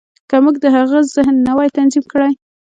که موږ د هغه ذهن نه وای تنظيم کړی.